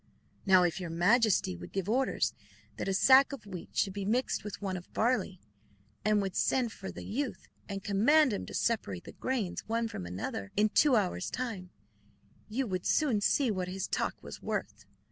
Now, if your Majesty would give orders that a sack of wheat should be mixed with one of barley, and would send for the youth, and command him to separate the grains one from another, in two hours' time, you would soon see what his talk was worth."